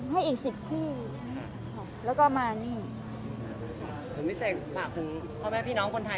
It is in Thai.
ให้อีก๑๐ที่แล้วก็มานี่